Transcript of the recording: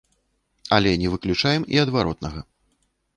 Але не выключаем і адваротнага.